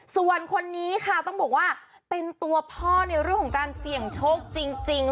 ส่วนคนนี้ค่ะต้องบอกว่าเป็นตัวพ่อในเรื่องของการเสี่ยงโชคจริง